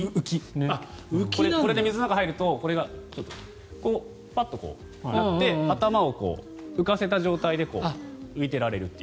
これで水の中に入るとこれがパッと広がって頭を浮かせた状態で浮いていられると。